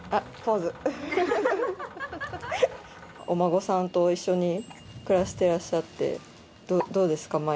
お孫さんと一緒に暮らしてらっしゃってどうですか？